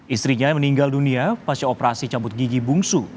istrinya meninggal dunia pasca operasi cabut gigi bungsu